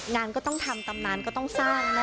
งานก็ต้องทำตำนานก็ต้องสร้างนะ